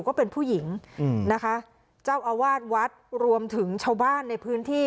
ก็เป็นผู้หญิงอืมนะคะเจ้าอาวาสวัดรวมถึงชาวบ้านในพื้นที่